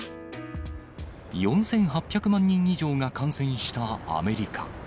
４８００万人以上が感染したアメリカ。